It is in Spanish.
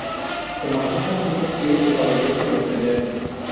Como artista siempre quiere desarrollarse y aprender.